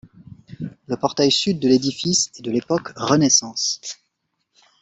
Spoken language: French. Le portail sud de l'édifice est de l'époque Renaissance.